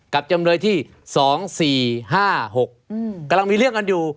จำเลยที่๒๔๕๖กำลังมีเรื่องกันอยู่